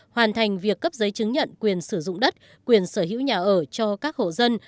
hoàn thành việc cấp giấy chứng nhận quyền sử dụng đất quyền sở hữu nhà ở cho các hộ dân